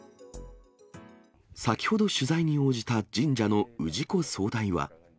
先ほど取材に応じた神社の氏子総代は。